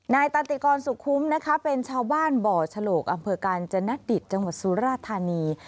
ตันติกรสุขุมนะคะเป็นชาวบ้านบ่อฉลกอำเภอกาญจนดิตจังหวัดสุราธานี